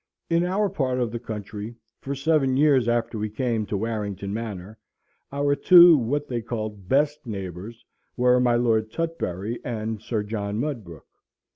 In our part of the country, for seven years after we came to Warrington Manor, our two what they called best neighbours were my Lord Tutbury and Sir John Mudbrook.